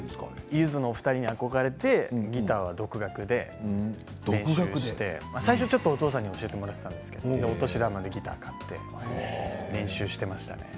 ゆずの２人に憧れてギターは独学で練習して最初はちょっとお父さんに教えてもらっていたんですけどお年玉でギターを買って練習していました。